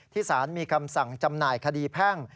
สารมีคำสั่งจำหน่ายคดีแพ่ง